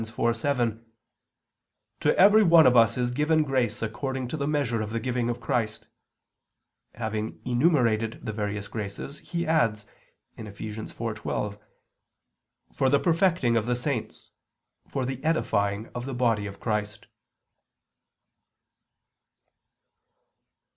4:7): "To every one of us is given grace according to the measure of the giving of Christ," having enumerated the various graces, he adds (Eph. 4:12): "For the perfecting of the saints ... for the edifying of the body of Christ."